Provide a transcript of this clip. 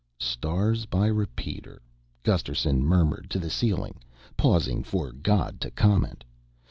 "Stars by repeater," Gusterson murmured to the ceiling, pausing for God to comment.